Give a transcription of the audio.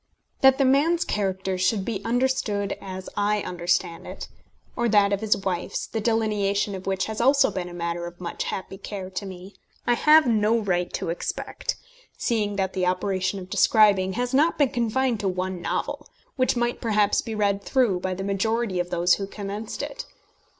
] That the man's character should be understood as I understand it or that of his wife's, the delineation of which has also been a matter of much happy care to me I have no right to expect, seeing that the operation of describing has not been confined to one novel, which might perhaps be read through by the majority of those who commenced it.